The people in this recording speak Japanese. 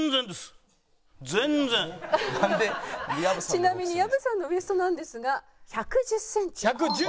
ちなみに藪さんのウエストなんですが１１０センチ。